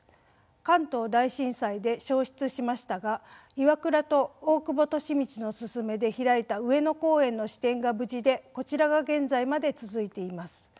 関東大震災で焼失しましたが岩倉と大久保利通のすすめで開いた上野公園の支店が無事でこちらが現在まで続いています。